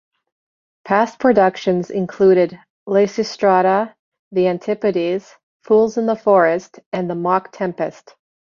Past productions included "Lysistrata", "The Antipodes", "Fools in the Forest", and "The Mock-Tempest".